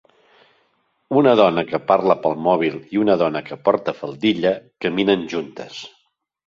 Una dona que parla pel mòbil i una dona que porta faldilla caminen juntes.